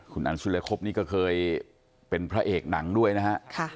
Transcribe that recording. คุณอันศิลคุบก็เคยเป็นพระเอกหนังด้วยนะครับ